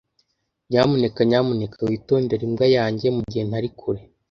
Nyamuneka nyamuneka witondere imbwa yanjye mugihe ntari kure.